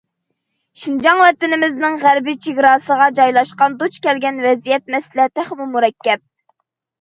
شىنجاڭ ۋەتىنىمىزنىڭ غەربىي چېگراسىغا جايلاشقان، دۇچ كەلگەن ۋەزىيەت، مەسىلە تېخىمۇ مۇرەككەپ.